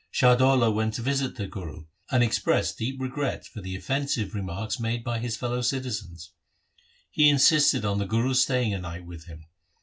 Shah Daula went to visit the Guru and expressed his deep regret for the offensive remarks made by his fellow citizens. He insisted on the Guru staying a night with him.